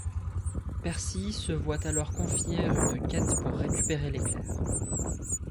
Percy se voit alors confier une quête pour récupérer l'éclair.